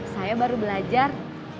saya baru belajar